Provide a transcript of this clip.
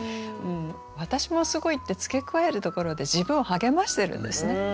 「わたしもすごい」って付け加えるところで自分を励ましてるんですね。